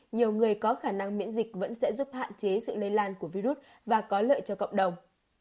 nhiều người có khả năng miễn dịch vẫn sẽ giúp hạn chế sự lây lan của virus và có lợi cho cộng đồng